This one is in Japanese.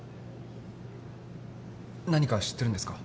何か知ってるんですか？